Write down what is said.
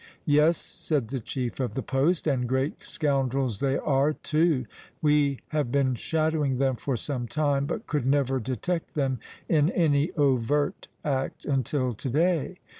"Yes," said the chief of the poste, "and great scoundrels they are, too! We have been shadowing them for some time, but could never detect them in any overt act until to day.